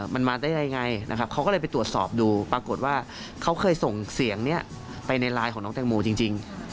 มันมาได้ยังไงนะครับเขาก็เลยไปตรวจสอบดูปรากฏว่าเขาเคยส่งเสียงนี้ไปในไลน์ของน้องแตงโมจริง